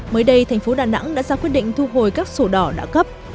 mới đây tp hcm đã ra quyết định thu hồi các sổ đỏ đã cấp